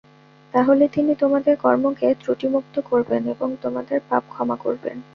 তাহলে তিনি তোমাদের কর্মকে ত্রুটিমুক্ত করবেন এবং তোমাদের পাপ ক্ষমা করবেন।